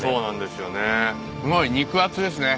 すごい肉厚ですね